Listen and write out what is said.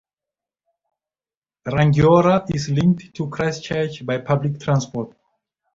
Rangiora is linked to Christchurch by public transport.